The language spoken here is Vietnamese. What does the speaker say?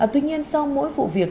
tuy nhiên sau mỗi vụ việc